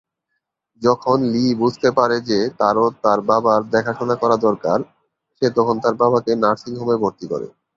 যখন লি বুঝতে পারে যে তারও তার বাবার দেখাশুনা করা দরকার, সে তখন তার বাবাকে নার্সিং হোমে ভর্তি করে।